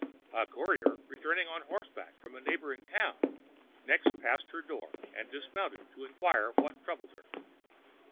A courier, returning on horseback from a neighboring town, next passed her door, and dismounted to inquire what troubled her.